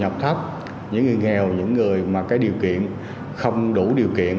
những người thu nhập thấp những người nghèo những người mà cái điều kiện không đủ điều kiện